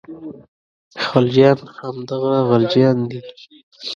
خلجیان همدغه غلجیان دي.